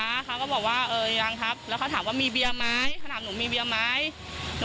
ลูกค้าก็บอกว่ายังครับแล้วเขาถามว่ามีเบียร์ไหม